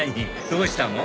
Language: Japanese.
どうしたの？